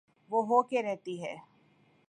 وہ ہو کے رہتی ہے۔